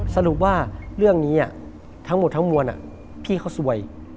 สรุปว่าเรื่องนี้ทั้งหมดทั้งมวลพี่เขาสวย